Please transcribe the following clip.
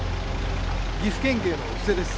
岐阜県警の布施です。